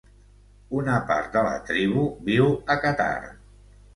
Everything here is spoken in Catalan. Una part de la tribu viu a Qatar.